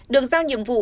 được giao nhiệm vụ